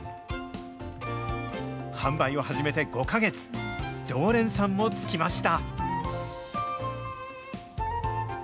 販売を初めて５か月、常連さんもつきました。